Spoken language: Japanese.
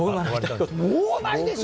もうないでしょ。